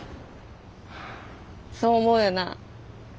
そう思うよな。